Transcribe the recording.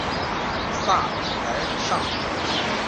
萨莱尚。